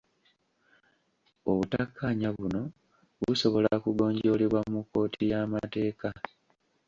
Obutakkaanya buno busobola kugonjoolebwa mu kkooti y'amateeka.